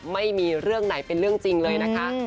ไม่มีเรื่องไหนเป็นเรื่องจริงเลยนะคะ